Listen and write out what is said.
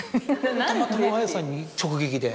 たまたま綾瀬さんに直撃で？